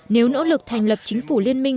nếu nỗ lực thành lập chính phủ liên minh